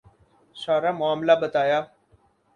سارا معاملہ بتایا۔